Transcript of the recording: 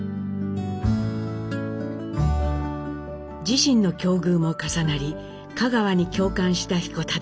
自身の境遇も重なり賀川に共感した彦忠。